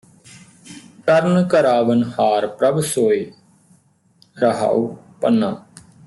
ਕਰਨ ਕਰਾਵਨਹਾਰ ਪ੍ਰਭ ਸੋਇ ਰਹਾਉ ਪੰਨਾ